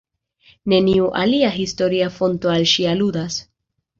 Neniu alia historia fonto al ŝi aludas.